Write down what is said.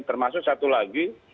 termasuk satu lagi